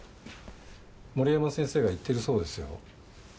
森山先生が言ってるそうですよ。